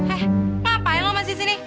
eh ngapain lo masih disini